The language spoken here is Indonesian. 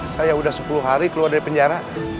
saya sudah sepuluh hari keluar dari penjara